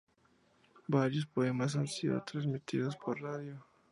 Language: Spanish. Varios poemas han sido transmitidos por radio.